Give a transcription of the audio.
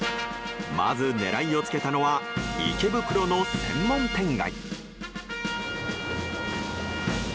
まず狙いをつけたのは池袋の専門店街。